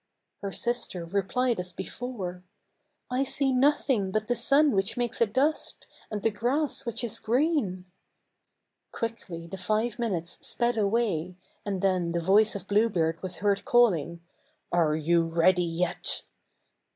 Her sister replied as before, " I see nothing but the sun which makes a dust, and the grass which is green." Quickly the five minutes sped away, and then the voice of Blue Beard was heard calling "Are you ready yet?"